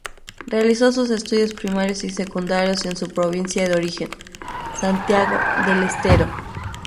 Realizó sus estudios primarios y secundarios en su provincia de origen, Santiago del Estero.